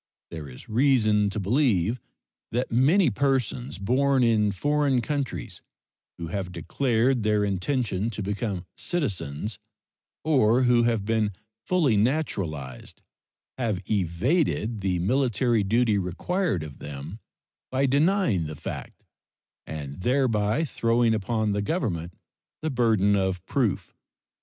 There is reason to believe that many persons born in foreign countries who have declared their intention to become citizens, or who have been fully naturalized, have evaded the military duty required of them by denying the fact and thereby throwing upon the Government the burden of proof.